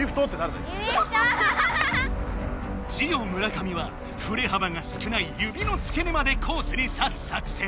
ジオ村上はふれはばが少ない指のつけねまでコースにさす作戦。